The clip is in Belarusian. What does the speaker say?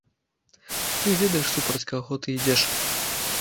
Ты ведаеш, супроць каго ты ідзеш?